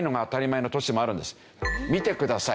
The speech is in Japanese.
見てください。